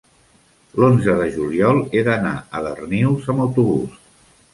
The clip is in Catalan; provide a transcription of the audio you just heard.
l'onze de juliol he d'anar a Darnius amb autobús.